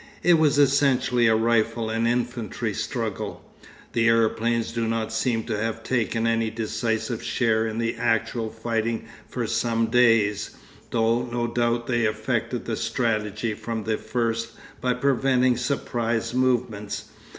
It was essentially a rifle and infantry struggle. The aeroplanes do not seem to have taken any decisive share in the actual fighting for some days, though no doubt they effected the strategy from the first by preventing surprise movements.